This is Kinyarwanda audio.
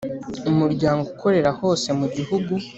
Umuryango ukorera hose mu gihugu